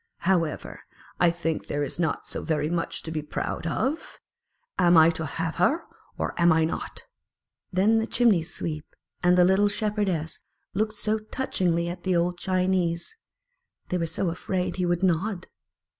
"However, I think there is not so very much to be proud of. Am I to have her, or am I not?" Then the Chimney sweep and the little Shepherdess looked so touchingly at the old Chinese ; they were so afraid he would nod